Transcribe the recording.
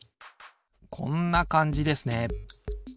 こんなかんじですね。